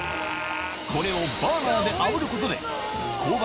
これをバーナーであぶることでうん！